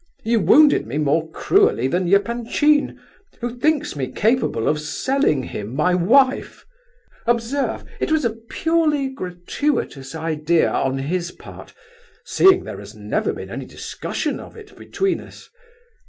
You wounded me more cruelly than Epanchin, who thinks me capable of selling him my wife! Observe, it was a perfectly gratuitous idea on his part, seeing there has never been any discussion of it between us!